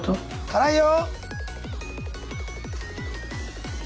辛いよ！